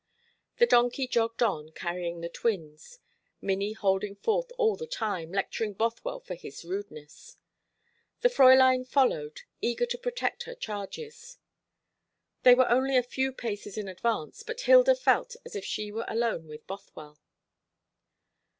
The donkey jogged on, carrying off the twins, Minnie holding forth all the time, lecturing Bothwell for his rudeness. The Fräulein followed, eager to protect her charges. They were only a few paces in advance, but Hilda felt as if she were alone with Bothwell.